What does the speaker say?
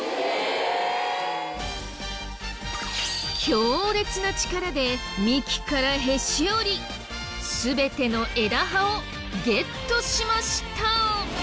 強烈な力で幹からへし折り全ての枝葉をゲットしました。